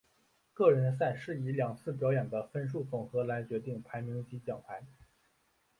个人赛是以两次表演的分数总和来决定排名及奖牌。